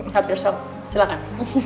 help yourself silakan